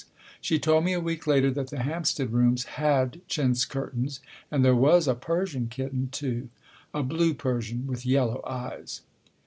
She told me a week later that the Hampstead rooms had chintz curtains and there was a Persian kitten too. A blue Persian, with yellow eyes.